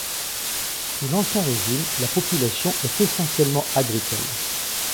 Sous l'Ancien Régime, la population est essentiellement agricole.